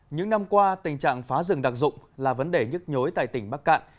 những năm qua tình trạng phá rừng đặc dụng là vấn đề nhức nhối tại tỉnh bắc cạn